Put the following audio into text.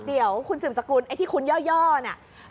เดี๋ยวคุณสืบสกุลไอ้ที่คุณย่อเนี่ย